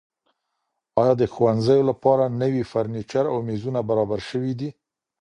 ایا د ښوونځیو لپاره نوي فرنیچر او میزونه برابر شوي دي؟